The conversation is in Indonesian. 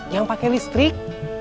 yang pake listrik